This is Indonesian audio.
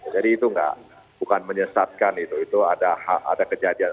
jadi itu nggak bukan menyesatkan itu itu ada kejadian